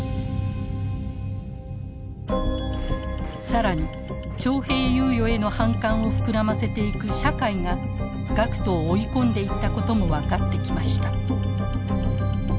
更に徴兵猶予への反感を膨らませていく社会が学徒を追い込んでいったことも分かってきました。